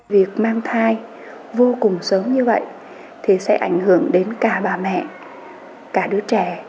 việc mang thai vô cùng sớm như vậy thì sẽ ảnh hưởng đến cả bà mẹ cả đứa trẻ